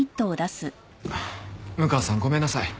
六川さんごめんなさい。